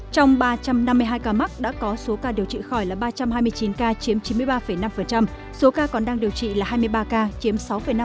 trong ba trăm năm mươi hai ca mắc đã có số ca điều trị khỏi là ba trăm hai mươi chín ca chiếm chín mươi ba năm số ca còn đang điều trị là hai mươi ba ca chiếm sáu năm